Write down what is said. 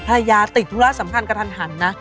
ภรรยาติดธุระสำคัญกระทันนะ